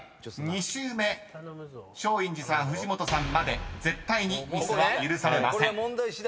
２周目松陰寺さん藤本さんまで絶対にミスは許されません］